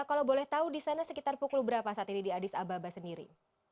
kalau boleh tahu di sana sekitar pukul berapa saat ini di adis ababa sendiri